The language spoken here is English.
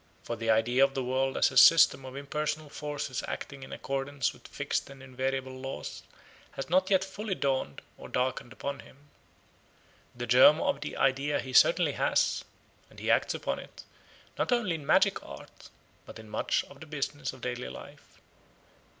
For the idea of the world as a system of impersonal forces acting in accordance with fixed and invariable laws has not yet fully dawned or darkened upon him. The germ of the idea he certainly has, and he acts upon it, not only in magic art, but in much of the business of daily life.